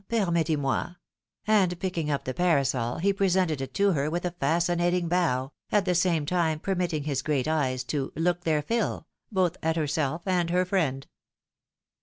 per Tuettez moi; " and picking up the parasol, he presented it to hoi' ■with a fascinating bow, at the same time permitting his great eyes to " look their fill," both at herself and her friend.